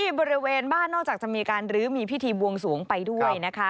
บริเวณบ้านนอกจากจะมีการรื้อมีพิธีบวงสวงไปด้วยนะคะ